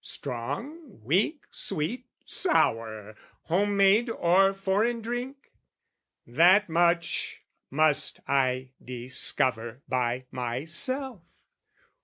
Strong, weak, sweet, sour, home made or foreign drink? That much must I discover by myself.